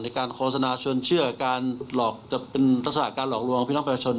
ตามแพทย์ฟอร์สชน